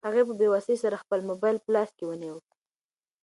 هغې په بې وسۍ سره خپل موبایل په لاس کې ونیو.